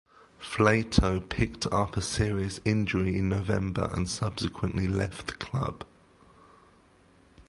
Flato picked up a serious injury in November and subsequently left the club.